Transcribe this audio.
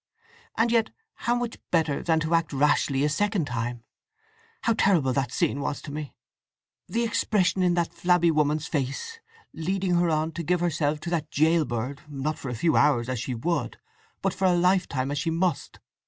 And yet how much better than to act rashly a second time… How terrible that scene was to me! The expression in that flabby woman's face, leading her on to give herself to that gaol bird, not for a few hours, as she would, but for a lifetime, as she must.